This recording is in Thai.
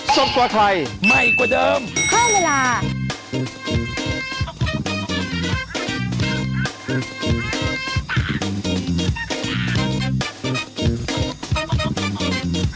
สดกว่าไทยใหม่กว่าเดิม